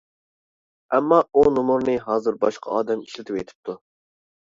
ئەمما ئۇ نومۇرنى ھازىر باشقا ئادەم ئىشلىتىۋېتىپتۇ.